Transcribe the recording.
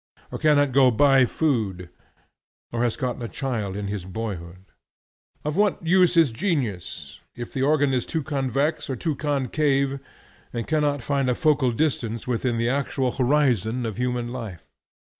or cannot go by food? or has gotten a child in his boyhood? Of what use is genius, if the organ is too convex or too concave and cannot find a focal distance within the actual horizon of human life?